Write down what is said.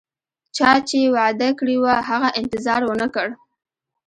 چا چې وعده کړي وه، هغه انتظار ونه کړ